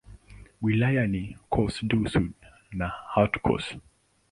Wilaya ni Corse-du-Sud na Haute-Corse.